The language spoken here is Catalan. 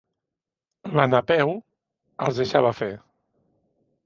La Napeu els deixava fer.